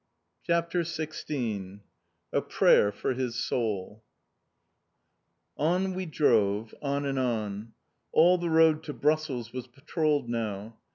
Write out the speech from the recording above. CHAPTER XVI A PRAYER FOR HIS SOUL On we drove, on and on. All the road to Brussels was patrolled now.